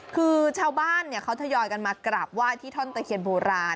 คือชาวบ้านเขาทยอยกันมากราบไหว้ที่ท่อนตะเคียนโบราณ